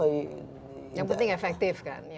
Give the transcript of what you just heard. yang penting efektif kan